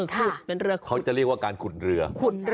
เขาจะเรียกว่าการขุดเรือ